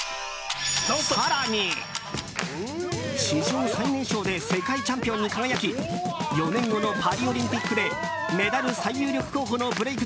更に、史上最年少で世界チャンピオンに輝き４年後のパリオリンピックでメダル最有力候補のブレイク